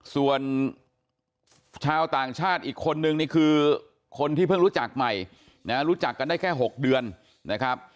ส่วนชาวต่างชาติอีกคนนึงนี่คือคนที่เพิ่งรู้จักใหม่นะรู้จักกันได้แค่๖เดือนนะครับ